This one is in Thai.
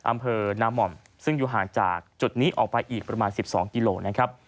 อำเภอนาม่อมซึ่งอยู่ห่างจากจุดนี้ออกไปอีกประมาณ๑๒กิโลนะครับ